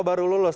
oh baru lulus